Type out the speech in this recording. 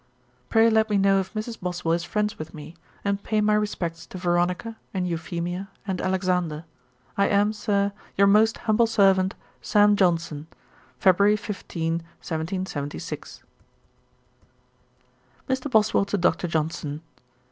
'Pray let me know if Mrs. Boswell is friends with me, and pay my respects to Veronica, and Euphemia, and Alexander. 'I am, Sir, 'Your most humble servant, 'SAM. JOHNSON.' 'February, 15, 1775 .' 'MR. BOSWELL TO DR. JOHNSON.